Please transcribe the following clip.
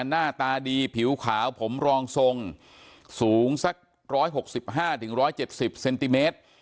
น่าตาดีผิวขาวผมรองทรงสูงสักร้อยหกสิบห้าถึงร้อยเจ็บสิบเซนติเมตร